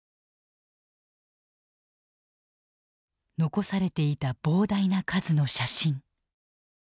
残されていた膨大な数の写真。